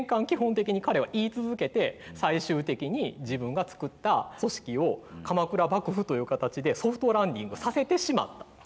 基本的に彼は言い続けて最終的に自分がつくった組織を鎌倉幕府という形でソフトランディングさせてしまった。